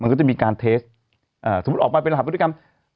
ก็จะมีการเทสสมมุติออกมาเป็นรหัสพฤติกรรม